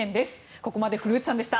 ここまで古内さんでした。